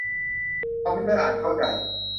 คอมพิวเตอร์อ่านเข้าใจ